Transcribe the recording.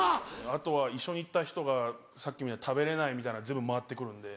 あとは一緒に行った人がさっきみたいに食べれないみたいな全部回って来るんで。